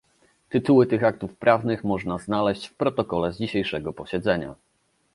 Tytuły tych aktów prawnych można znaleźć w protokole z dzisiejszego posiedzenia